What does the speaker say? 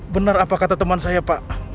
benar apa kata teman saya pak